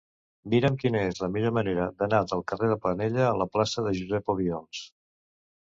Mira'm quina és la millor manera d'anar del carrer de Planella a la plaça de Josep Obiols.